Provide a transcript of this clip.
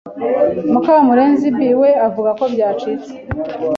Mukamurenzi B. we avuga ko byacitse